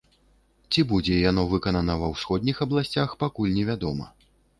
Ці будзе яно выканана ва ўсходніх абласцях, пакуль невядома.